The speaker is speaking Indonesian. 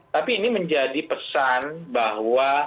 tapi ini menjadi pesan bahwa